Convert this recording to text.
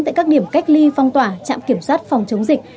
tại các điểm cách ly phong tỏa trạm kiểm soát phòng chống dịch